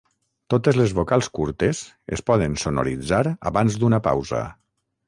Totes les vocals curtes es poden sonoritzar abans d'una pausa.